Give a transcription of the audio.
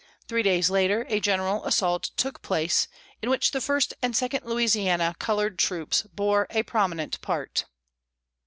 Three days later, a general assault took place, in which the First and Second Louisiana, colored troops, bore a prominent part.